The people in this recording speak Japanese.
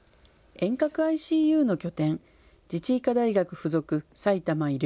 遠隔ＩＣＵの拠点、自治医科大学付属さいたま医療